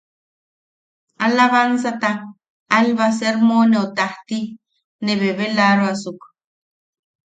Alabaanzata Alba sermoneu tajti ne bebelaaroasuk.